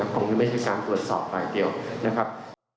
คงจะไม่ใช่การตรวจสอบฝ่ายเดียวนะครับ